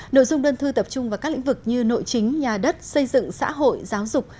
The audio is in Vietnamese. nội dung đơn thư tập trung vào các lĩnh vực như nội chính nhà đất xây dựng xã hội giáo dục